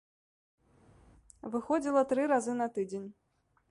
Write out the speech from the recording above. Выходзіла тры разы на тыдзень.